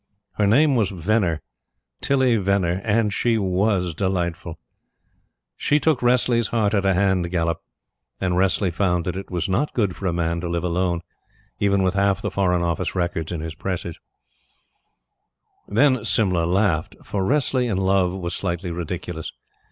Her name was Venner Tillie Venner and she was delightful. She took Wressley's heart at a hand gallop, and Wressley found that it was not good for man to live alone; even with half the Foreign Office Records in his presses. Then Simla laughed, for Wressley in love was slightly ridiculous.